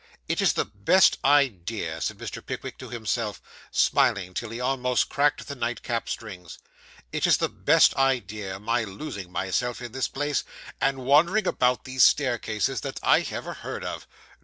'It is the best idea,' said Mr. Pickwick to himself, smiling till he almost cracked the nightcap strings 'it is the best idea, my losing myself in this place, and wandering about these staircases, that I ever heard of.